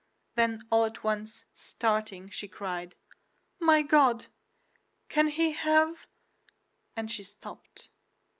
Then all at once, starting, she cried, "My God! can he have—" and she stopped.